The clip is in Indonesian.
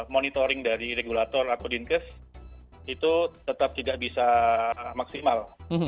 monitoring dari regulator atau dinkes itu tetap tidak bisa maksimal